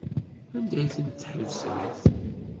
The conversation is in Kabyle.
Anda ay ten-tḥebsemt?